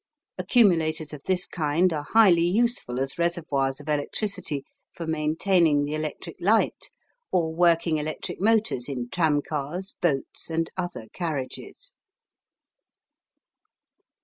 Accumulators of this kind are highly useful as reservoirs of electricity for maintaining the electric light, or working electric motors in tramcars, boats, and other carriages.